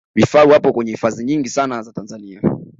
vifaru wapo kwenye hifadhi nyingi sana za tanzania